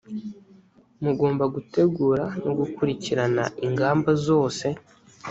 mugomba gutegura no gukurikirana ingamba zose.